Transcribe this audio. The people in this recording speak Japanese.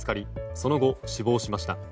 その後、死亡しました。